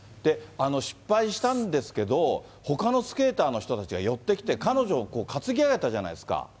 失敗したんですけど、ほかのスケーターの人たちが寄ってきて、彼女を担ぎ上げたじゃないですか。